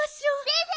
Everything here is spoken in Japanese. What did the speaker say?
先生！